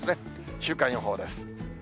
週間予報です。